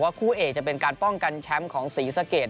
คู่เอกจะเป็นการป้องกันแชมป์ของศรีสะเกด